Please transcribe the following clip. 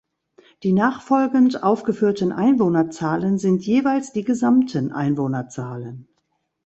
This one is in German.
Die nachfolgend aufgeführten Einwohnerzahlen sind jeweils die gesamten Einwohnerzahlen.